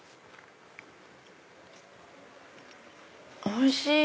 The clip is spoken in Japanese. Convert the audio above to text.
おいしい！